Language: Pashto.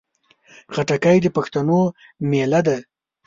خټکی د پښتنو مېله ده.